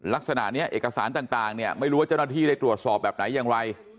ลักษณะนี้เอกสารต่างเนี่ยไม่รู้ว่าเจ้าหน้าที่ได้ตรวจสอบแบบไหนอย่างไร